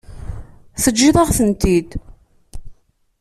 Teǧǧiḍ-aɣ-tent-id.